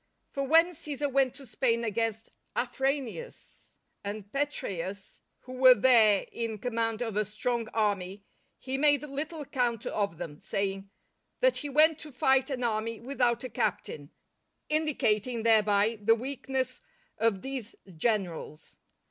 For when Cæsar went to Spain against Afranius and Petreius, who were there in command of a strong army, he made little account of them, saying, "that he went to fight an army without a captain," indicating thereby the weakness of these generals.